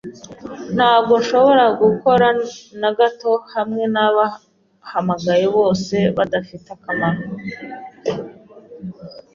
Ntabwo nshobora gukora na gato hamwe naba bahamagaye bose badafite akamaro.